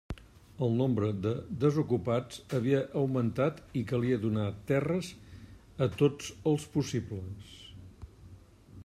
El nombre de desocupats havia augmentat i calia donar terres a tots els possibles.